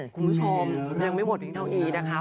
คุณผู้ชมยังไม่หมดเพียงเท่านี้นะคะ